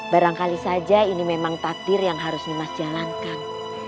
barangkali saja ini memang takdir yang harus dimas jalankan